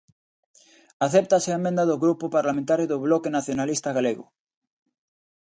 Acéptase a emenda do Grupo Parlamentario do Bloque Nacionalista Galego.